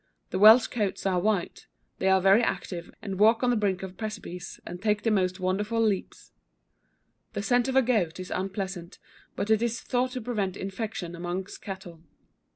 The Welsh goats are white; they are very active, and walk on the brink of precipices, and take the most wonderful leaps. The scent of a goat is unpleasant, but it is thought to prevent infection amongst cattle.